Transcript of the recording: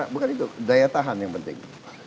bukan itu daya tahan yang penting